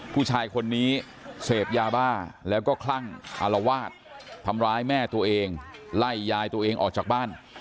ผู้ชายคนนี้เสพยาบ้าแล้วก็คลั่งอารวาสทำร้ายแม่ตัวเองไล่ยายตัวเองออกจากบ้าน